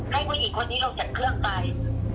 ผู้หญิงคนนี้ลงจากเครื่องไป